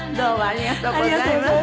ありがとうございます。